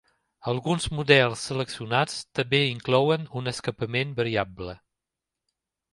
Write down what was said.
Alguns models seleccionats també inclouen un escapament variable.